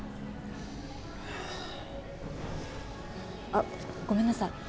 あっごめんなさい。